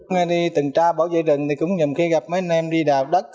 ngay đi tầng tra bảo vệ rừng thì cũng nhầm khi gặp mấy anh em đi đào đất